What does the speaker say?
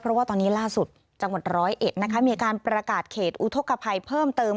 เพราะว่าตอนนี้ล่าสุดจังหวัดร้อยเอ็ดนะคะมีการประกาศเขตอุทธกภัยเพิ่มเติม